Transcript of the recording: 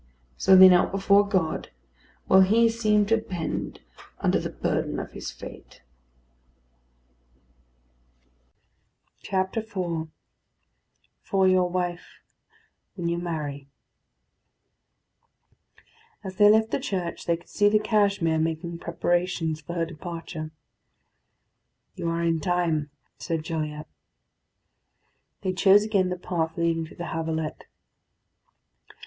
So they knelt before God; while he seemed to bend under the burden of his fate. IV FOR YOUR WIFE: WHEN YOU MARRY As they left the church they could see the Cashmere making preparations for her departure. "You are in time," said Gilliatt. They chose again the path leading to the Havelet.